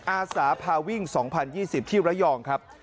อาสาพาวิ่ง๒๐๒๐ที่ระยองครับ